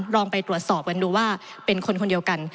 ลองไปตรวจสอบกันดูว่าเป็นคนคนเดียวกัน